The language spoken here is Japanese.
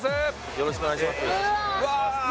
よろしくお願いします